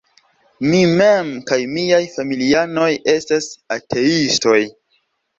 Mi mem kaj miaj familianoj estas ateistoj.